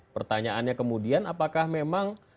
pertanyaannya kemudian apakah memang